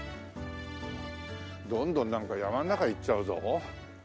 どんどんなんか山の中行っちゃうぞ。